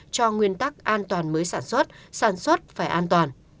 cho nguyên tắc an toàn mới sản xuất sản xuất phải an toàn